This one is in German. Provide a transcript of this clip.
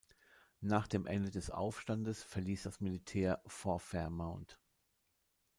Nach dem Ende des Aufstandes verließ das Militär "Fort Fairmount".